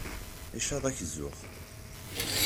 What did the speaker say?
Icaḍ-ak zzux.